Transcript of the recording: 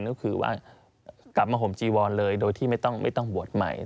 ก็คือว่ากลับมาห่มจีวรเลยโดยที่ไม่ต้องบวชใหม่